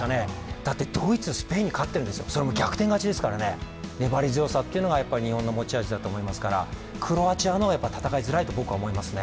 だってドイツ、スペインに勝っているんですよ、それも逆転勝ちですからね、粘り強さが日本の持ち味だと思いますからクロアチアは戦いづらいと僕は思いますね。